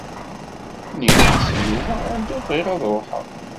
Nniɣ-as i Yuba anda bɣiɣ ad ruḥeƔ.